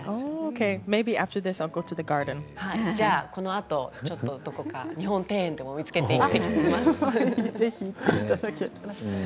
じゃあこのあとどこか日本庭園でも見つけて行ってきます。